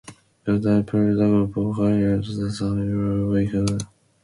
Through April the group carried out similar operations at Wake Island and Samar.